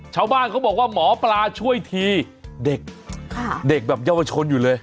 ชาวบ้านเขาบอกว่าหมอปลาช่วยทีเด็กเด็กแบบเยาวชนอยู่เลย